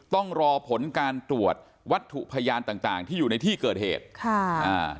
ต้องรอผลการตรวจวัตถุพยานต่างต่างที่อยู่ในที่เกิดเหตุค่ะอ่า